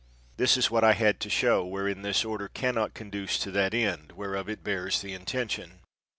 This is w T hat I had to show, wherein this order can not conduce to that end, whereof it bears the intention.